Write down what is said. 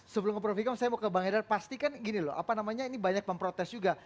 sebelum ke prof ikam saya mau ke bang edar pastikan gini loh apa namanya ini banyak memprotes juga